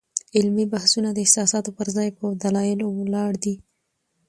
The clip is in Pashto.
علمي بحثونه د احساساتو پر ځای په دلایلو ولاړ وي.